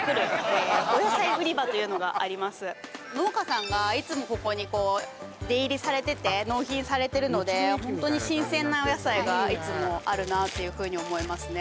農家さんがいつもここにこう出入りされてて納品されてるのでホントに新鮮なお野菜がいつもあるなというふうに思いますね